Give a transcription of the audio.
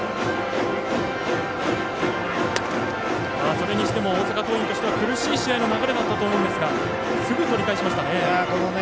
それにしても大阪桐蔭としては苦しい試合の流れだったと思うんですがすぐ取り返しましたね。